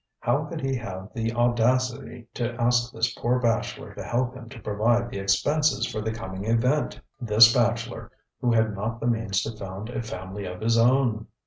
How could he have the audacity to ask this poor bachelor to help him to provide the expenses for the coming event? This bachelor, who had not the means to found a family of his own?